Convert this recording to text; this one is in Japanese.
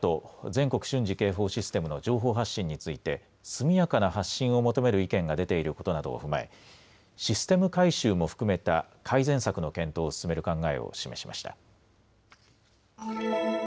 ・全国瞬時警報システムの情報発信について速やかな発信を求める意見が出ていることなどを踏まえシステム改修も含めた改善策の検討を進める考えを示しました。